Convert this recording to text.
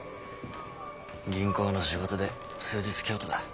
銀行の仕事で数日京都だ。